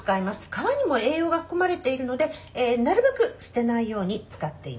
皮にも栄養が含まれているのでなるべく捨てないように使っています」